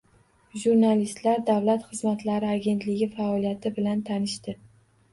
Jurnalistlar davlat xizmatlari agentligi faoliyati bilan tanishdi